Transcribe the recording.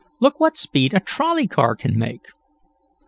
Look what speed a trolley car can make."